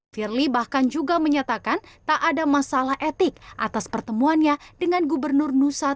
firly bahkan juga menyatakan tak ada masalah etik atas pertemuannya dengan gubernur nusa dua